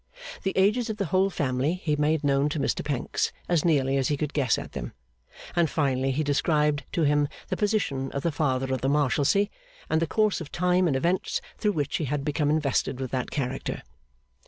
The ages of the whole family he made known to Mr Pancks, as nearly as he could guess at them; and finally he described to him the position of the Father of the Marshalsea, and the course of time and events through which he had become invested with that character.